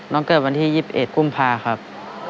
เกิดวันที่๒๑กุมภาครับ